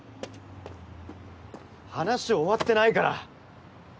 話終わってないから。